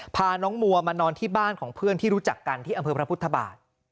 พาน้องมัวมานอนที่บ้านของเพื่อนที่รู้จักกันที่อำเภอพระพุทธบาท